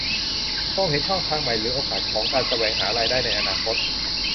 มองเห็นช่องทางใหม่หรือโอกาสของการแสวงหารายได้ในอนาคต